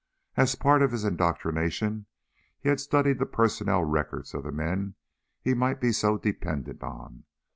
As part of his indoctrination he had studied the personnel records of the men he might be so dependent on.